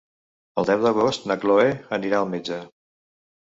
El deu d'agost na Chloé anirà al metge.